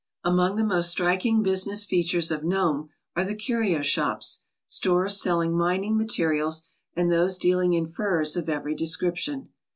Among the most striking business features of Nome are the curio shops, stores selling mining materials, and those dealing in furs of every description.